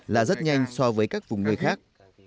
là rất nhanh so với các vùng nơi khác